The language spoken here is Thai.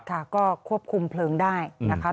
ค่ะก็ควบคุมเพลิงได้นะคะ